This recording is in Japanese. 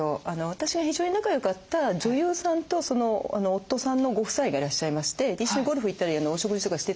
私が非常に仲良かった女優さんとその夫さんのご夫妻がいらっしゃいまして一緒にゴルフ行ったりお食事とかしてたらですね